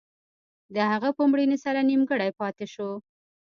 د هغه په مړینې سره نیمګړی پاتې شو.